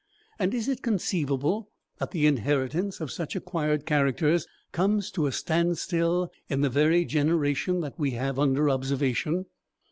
And is it conceivable that the inheritance of such acquired characters comes to a standstill in the very generation that we have under observation?